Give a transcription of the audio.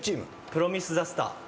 『プロミスザスター』お見事。